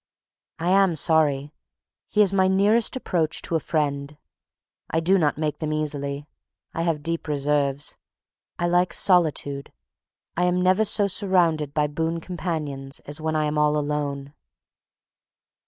I am sorry. He is my nearest approach to a friend. I do not make them easily. I have deep reserves. I like solitude. I am never so surrounded by boon companions as when I am all alone.